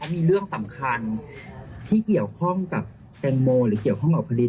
มีเรื่องสำคัญที่เกี่ยวข้องกับแตงโมหรือเกี่ยวข้องกับคดี